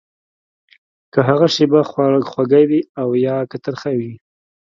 که هغه شېبه خوږه وي او يا که ترخه وي.